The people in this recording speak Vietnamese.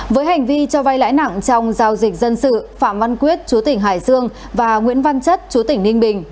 với hành vi cho vay lãi nặng trong giao dịch dân sự phạm văn quyết chúa tỉnh hải dương và nguyễn văn chất chúa tỉnh ninh bình